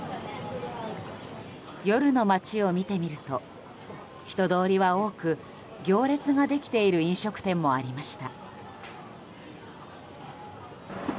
夜の街を見てみると人通りは多く行列ができている飲食店もありました。